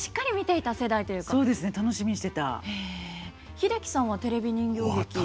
英樹さんはテレビ人形劇どうですか？